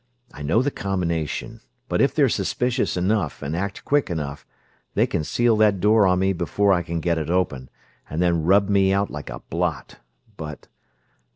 "I know the combination, but if they're suspicious enough and act quick enough they can seal that door on me before I can get it open, and then rub me out like a blot; but